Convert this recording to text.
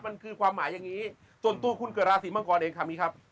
มันคือความหมายอย่างนี้ส่วนตัวคุณเกิดราศีมังกรเองคำนี้ครับ